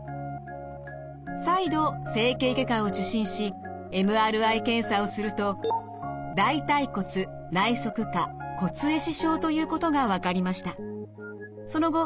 再度整形外科を受診しＭＲＩ検査をすると大腿骨内側顆骨壊死症ということが分かりました。